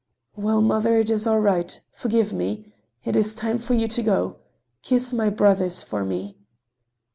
"Well, mother, it is all right. Forgive me. It is time for you to go. Kiss my brothers for me."